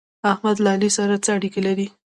احمد له علي سره څه اړېکې لري؟